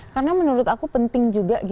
karena menurut aku penting juga